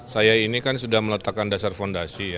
saya ini kan sudah meletakkan dasar fondasi ya